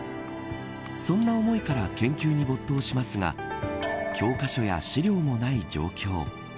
そんな思いから研究に没頭しますが教科書や資料もない状況。